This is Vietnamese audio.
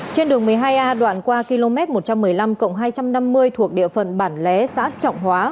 trên đường một mươi hai a đoạn qua km một trăm một mươi năm hai trăm năm mươi thuộc địa phận bản lé xã trọng hóa